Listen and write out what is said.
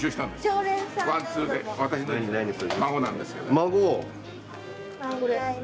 孫？